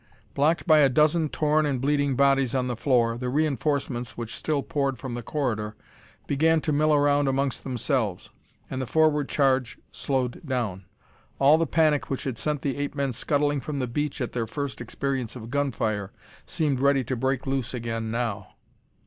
Blocked by a dozen torn and bleeding bodies on the floor, the reenforcements which still poured from the corridor, began to mill around amongst themselves, and the forward charge slowed down. All the panic which had sent the ape men scuttling from the beach at their first experience of gunfire, seemed ready to break loose again now.